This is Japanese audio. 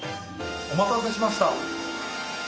お待たせしました！